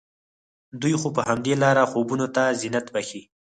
دوی خو په همدې لاره خوبونو ته زينت بښي